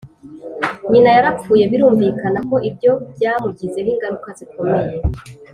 nyina yarapfuye. birumvikana ko ibyo byamugizeho ingaruka zikomeye.